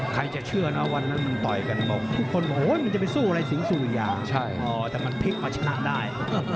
ใครจะเชื่อว่าวันนั้นมันต่อยกันบ้างทุกคนว่ามันจะไปสู้อะไรสิงสุยอ่ะแต่มันพลิกว่าชนะได้